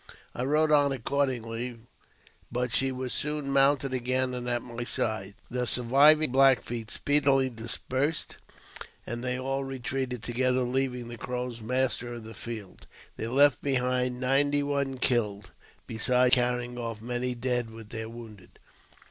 I rode on accordingly, but she was soon mounted again and at my side. The surviving Black Feet speedily dispersed, and they all retreated together, leaving the Crows master of the field. They left behind ninety one killed, besides carrying off many dead with their wounded.